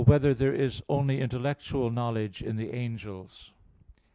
5] Whether There Is Only Intellectual Knowledge in the Angels?